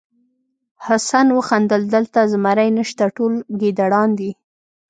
حسن وخندل دلته زمری نشته ټول ګیدړان دي.